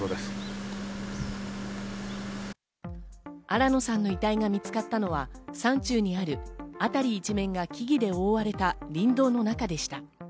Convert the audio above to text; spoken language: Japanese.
新野さんの遺体が見つかったのは、山中にある、辺り一面が木々で覆われた林道の中でした。